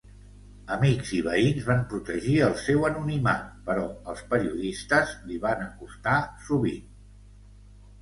Amics i veïns van protegir el seu anonimat, però els periodistes li van acostar sovint.